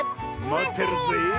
まってるよ！